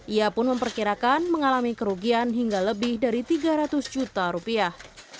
ia pun memperkirakan mengalami kerugian hingga lebih dari tiga ratus juta rupiah